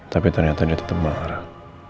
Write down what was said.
tapi ternyata dia tetap marah